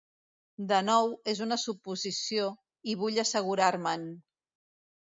De nou, és una suposició, i vull assegurar-me'n.